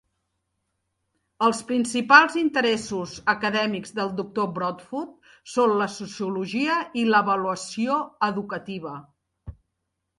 Els principals interessos acadèmics del Doctor Broadfoot són la sociologia i l'avaluació educativa.